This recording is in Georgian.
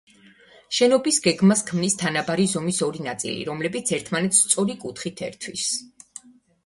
შენობის გეგმას ქმნის თანაბარი ზომის ორი ნაწილი, რომლებიც ერთმანეთს სწორი კუთხით ერთვის.